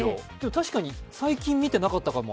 確かに最近あまり見てなかったかも。